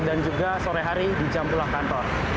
dan juga sore hari di jam pulang kantor